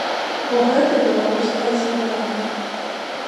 Бо гэта беларуская зямля.